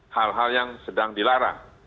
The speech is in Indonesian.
hal hal yang sedang dilarang